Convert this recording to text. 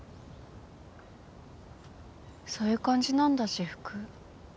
そういう感じなんだ私服。